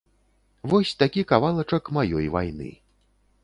Вось такі кавалачак маёй вайны.